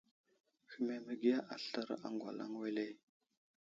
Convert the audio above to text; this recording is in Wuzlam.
Həhme məgiya aslər agwalaŋ wele ?